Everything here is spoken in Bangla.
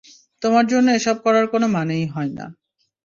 তোমার জন্য এসব করার কোনো মানেই হয় না।